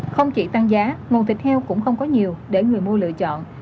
không chỉ tăng giá nguồn thịt heo cũng không có nhiều để người mua lựa chọn